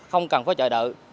không cần phải chờ đợi